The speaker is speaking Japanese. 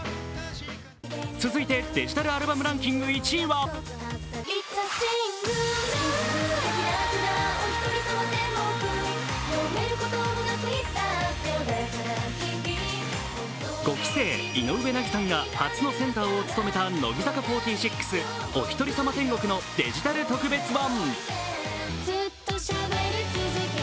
続いてデジタルアルバムランキング１位は５期生・井上和さんが初のセンターを務めた乃木坂４６、「おひとりさま天国」のデジタル特別版。